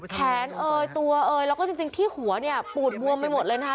เอ่ยตัวเอยแล้วก็จริงที่หัวเนี่ยปูดบวมไปหมดเลยนะคะ